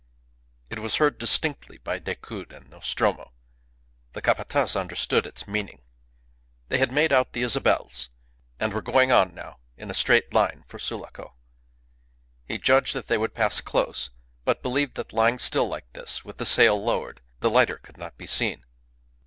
It was heard distinctly by Decoud and Nostromo. The Capataz understood its meaning. They had made out the Isabels, and were going on now in a straight line for Sulaco. He judged that they would pass close; but believed that lying still like this, with the sail lowered, the lighter could not be seen.